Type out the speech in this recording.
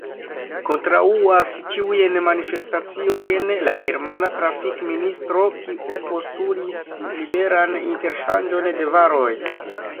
Kontraŭas ĉiujn manifestaciojn la germana trafikministro, kiu postulis liberan interŝanĝon de varoj.